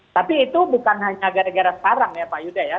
tapi itu bukan hanya gara gara sekarang ya pak yuda ya